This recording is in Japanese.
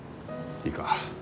いいか？